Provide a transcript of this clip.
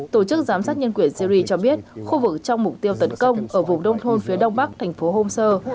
tổ chức giám sát nhân quyền syri cho biết khu vực trong mục tiêu tấn công ở vùng đông thôn phía đông bắc thành phố homes